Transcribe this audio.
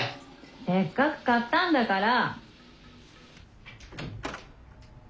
・せっかく買ったんだから。